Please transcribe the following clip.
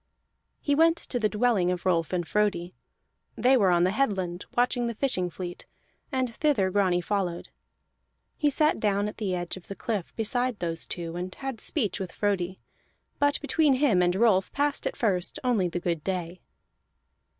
He went to the dwelling of Rolf and Frodi; they were on the headland watching the fishing fleet, and thither Grani followed. He sat down at the edge of the cliff beside those two, and had speech with Frodi; but between him and Rolf passed at the first only the good day.